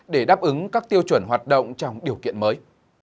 để đáp ứng các tiêu chuẩn hoạt động trong điều kiện mới